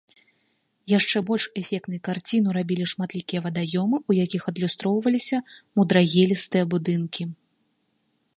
Яшчэ больш эфектнай карціну рабілі шматлікія вадаёмы, у якіх адлюстроўваліся мудрагелістыя будынкі.